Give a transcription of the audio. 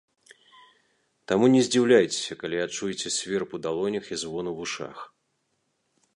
Таму не здзіўляйцеся, калі адчуеце сверб у далонях і звон у вушах.